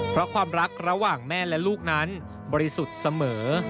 เพราะความรักระหว่างแม่และลูกนั้นบริสุทธิ์เสมอ